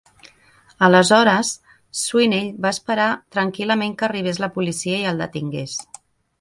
Aleshores, Sweeney va esperar tranquil·lament que arribés la policia i el detingués.